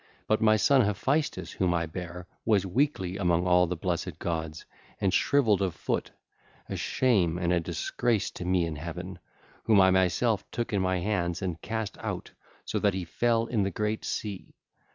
But my son Hephaestus whom I bare was weakly among all the blessed gods and shrivelled of foot, a shame and disgrace to me in heaven, whom I myself took in my hands and cast out so that he fell in the great sea.